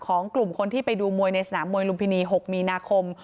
กลุ่มคนที่ไปดูมวยในสนามมวยลุมพินี๖มีนาคม